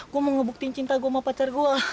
gue mau ngebukti cinta gue sama pacar gue